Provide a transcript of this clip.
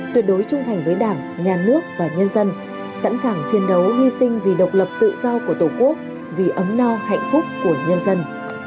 tuyệt đối trung thành với đảng nhà nước và nhân dân sẵn sàng chiến đấu hy sinh vì độc lập tự do của tổ quốc vì ấm no hạnh phúc của nhân dân